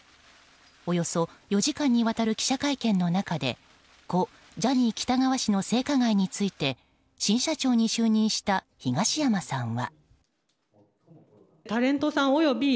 およそ４時間にわたる記者会見の中で故ジャニー喜多川氏の性加害について新社長に就任した東山さんは。